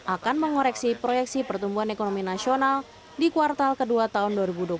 akan mengoreksi proyeksi pertumbuhan ekonomi nasional di kuartal kedua tahun dua ribu dua puluh satu